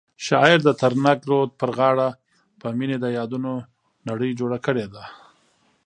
شاعر د ترنګ رود په غاړه د مینې د یادونو نړۍ جوړه کړې ده.